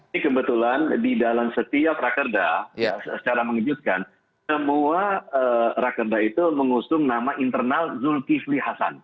ini kebetulan di dalam setiap rakerda secara mengejutkan semua rakerda itu mengusung nama internal zulkifli hasan